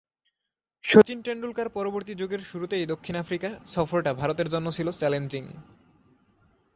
শচীন টেন্ডুলকার-পরবর্তী যুগের শুরুতেই দক্ষিণ আফ্রিকা সফরটা ভারতের জন্য ছিল চ্যালেঞ্জিং।